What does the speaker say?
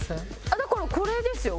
だからこれですよ。